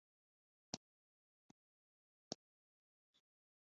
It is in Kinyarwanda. matarahagera abigishwa be baramwinginga bati fungura